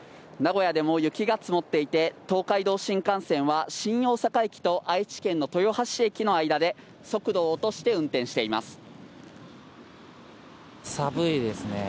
名古屋でも雪が積もっていて、東海道新幹線は新大阪駅と愛知県の豊橋駅の間で速度を落として運転しています。